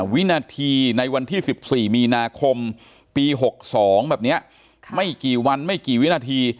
วินาทีในวันที่๑๔มีนาคมปี๖๒แบบนี้ไม่กี่วันไม่กี่วินาที